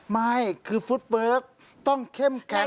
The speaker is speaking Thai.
ไม่คือฟุตเวิร์คต้องเข้มแข็ง